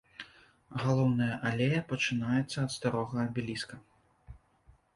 Галоўная алея пачынаецца ад старога абеліска.